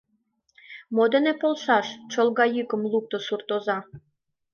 — Мо дене полшаш? — чолга йӱкым лукто суртоза.